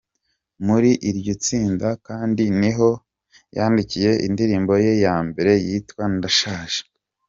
Muri iryo tsinda kandi niho yandikiye indirimbo ye ya mbere yitwa “Ndashaje”.